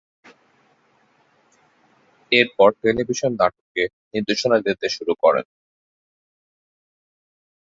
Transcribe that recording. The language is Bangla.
এরপর টেলিভিশন নাটকে নির্দেশনা দিতে শুরু করেন।